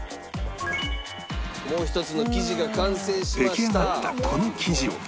出来上がったこの生地を